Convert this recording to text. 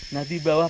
nah di bawah